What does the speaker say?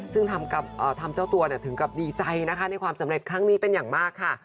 ซึ่งทำเจ้าตัวถึงกับดีใจนะคะในความสำเร็จครั้งนี้เป็นอย่างมากค่ะ